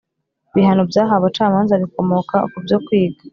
bihano byahawe abacamanza bikomoka ku byo kwiga